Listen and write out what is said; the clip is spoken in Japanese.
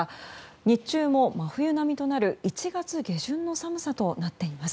日中も真冬並みとなる１月下旬の寒さとなっています。